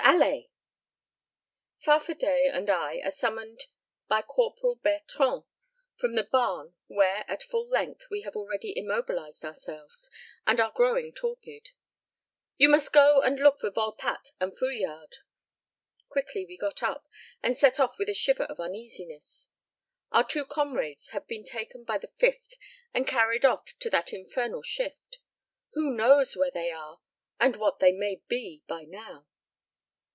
Allez!" Farfadet and I are summoned by Corporal Bertrand from the barn where at full length we have already immobilized ourselves, and are growing torpid: "You must go and look for Volpatte and Fouillade." Quickly we got up, and set off with a shiver of uneasiness. Our two comrades have been taken by the 5th and carried off to that infernal shift. Who knows where they are and what they may be by now!